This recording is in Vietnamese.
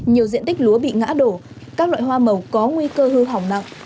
nhiều diện tích lúa bị ngã đổ các loại hoa màu có nguy cơ hư hỏng nặng